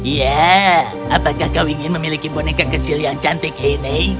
ya apakah kau ingin memiliki boneka kecil yang cantik ini